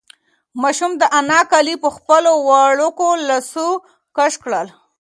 ماشوم د انا کالي په خپلو وړوکو لاسونو کش کړل.